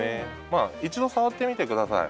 まあ一度触ってみて下さい。